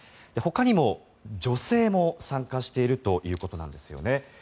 ほかにも女性も参加しているということなんですね。